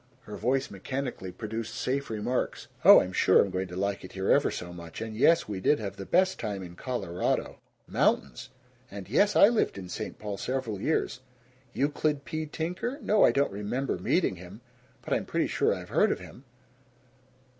Her voice mechanically produced safe remarks: "Oh, I'm sure I'm going to like it here ever so much," and "Yes, we did have the best time in Colorado mountains," and "Yes, I lived in St. Paul several years. Euclid P. Tinker? No, I don't REMEMBER meeting him, but I'm pretty sure I've heard of him."